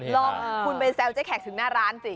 ลองคุณไปแซวเจ๊แขกถึงหน้าร้านสิ